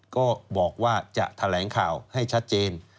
ก็บอกว่าจะแถลงข่าวให้ชัดเจน